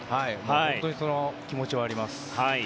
本当にその気持ちはあります。